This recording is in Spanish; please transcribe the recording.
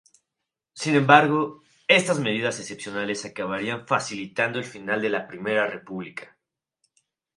Sin embargo, estas medidas excepcionales acabarían facilitando el final de la Primera República.